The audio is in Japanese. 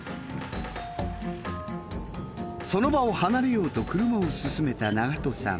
その場を離れようと車を進めた長門さん。